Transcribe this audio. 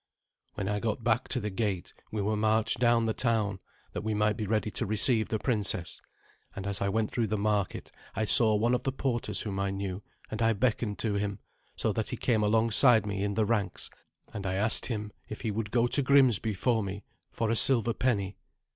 When I got back to the gate, we were marched down the town, that we might be ready to receive the princess; and as I went through the market, I saw one of the porters whom I knew, and I beckoned to him, so that he came alongside me in the ranks, and I asked him if he would go to Grimsby for me for a silver penny.